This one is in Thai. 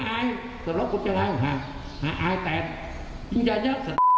ถ้ายิ่งง่าวจริงไม่ต้องพอใจฮะ